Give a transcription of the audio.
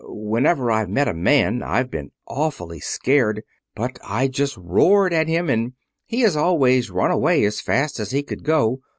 Whenever I've met a man I've been awfully scared; but I just roared at him, and he has always run away as fast as he could go.